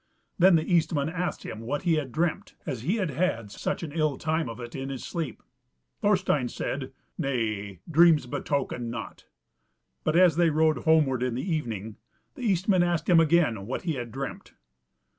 Then the Eastman asked him what he had dreamt, as he had had such an ill time of it in his sleep. Thorstein said, "Nay, dreams betoken nought." But as they rode homeward in the evening, the Eastman asked him again what he had dreamt.